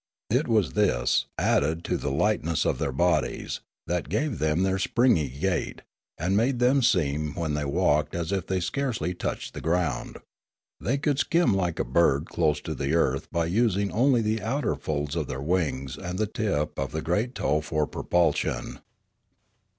It was this, added to the lightness of their bodies, that gave them their springy gait, and made them seem when they walked as if they scarcely touched the ground; they could skim like a bird close to the earth by using only the outer folds of their wings and the tip of the great toe for propulsion.